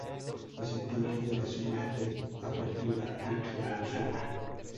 Resultante de la suma del Apertura y Clausura.